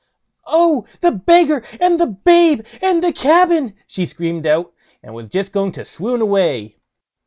"Oh! the beggar, and the babe, and the cabin", she screamed out, and was just going to swoon away.